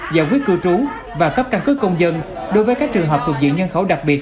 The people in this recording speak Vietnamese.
giải quyết cư trú và cấp căn cước công dân đối với các trường hợp thuộc diện nhân khẩu đặc biệt